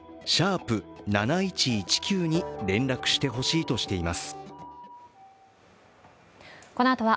７１１７に連絡してほしいとしています。